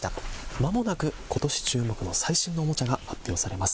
まもなくことし注目の最新のおもちゃが発表されます。